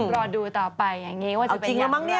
รอดูต่อไปอย่างนี้ว่าจะเป็นอย่างไร